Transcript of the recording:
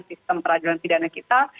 sistem peradilan pidana kita